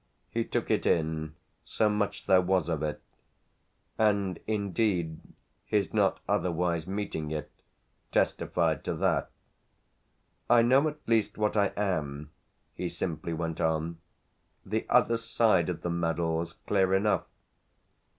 He took it in, so much there was of it; and indeed his not otherwise meeting it testified to that. "I know at least what I am," he simply went on; "the other side of the medal's clear enough.